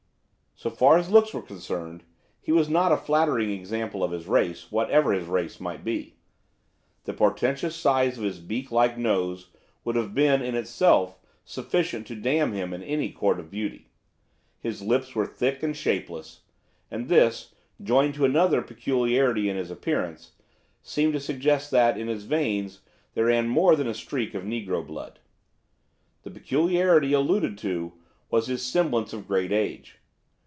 So far as looks were concerned, he was not a flattering example of his race, whatever his race might be. The portentous size of his beak like nose would have been, in itself, sufficient to damn him in any court of beauty. His lips were thick and shapeless, and this, joined to another peculiarity in his appearance, seemed to suggest that, in his veins there ran more than a streak of negro blood. The peculiarity alluded to was his semblance of great age.